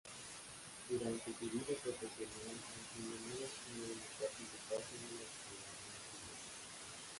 Durante su vida profesional mantiene muy activa una participación en la sociedad madrileña.